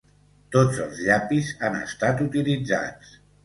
Tots els llapis han estat utilitzats.